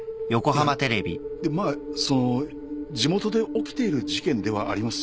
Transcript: いやでもまあそのう地元で起きている事件ではありますし。